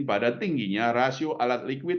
pada tingginya rasio alat liquid